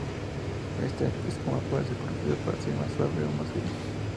Esta espuma puede ser producida para ser más suave o más firme.